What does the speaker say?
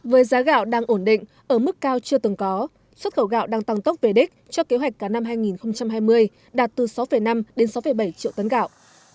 với giá gạo đang ổn định ở mức cao chưa từng có xuất khẩu gạo đang tăng tốc về đích cho kế hoạch cả năm hai nghìn hai mươi đạt từ sáu năm đến sáu bảy triệu tấn gạo